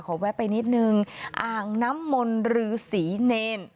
แวะไปนิดนึงอ่างน้ำมนต์รือศรีเนร